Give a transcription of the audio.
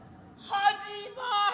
始まり！